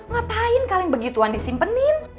ngapain kaleng begituan disimpenin